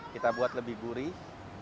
kita buat lebih gurih